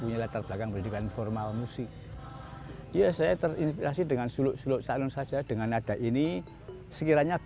ya kadang di sini kadang di sana